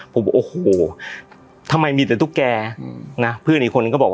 ผมบอกโอ้โหทำไมมีแต่ตุ๊กแกนะเพื่อนอีกคนก็บอกว่า